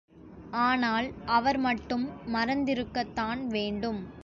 ஆனால் அவர் மட்டும் மறந்திருக்கத்தான் வேண்டும்.